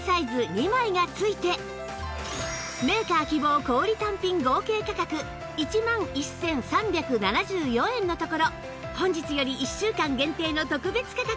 ２枚が付いてメーカー希望小売単品合計価格１万１３７４円のところ本日より１週間限定の特別価格！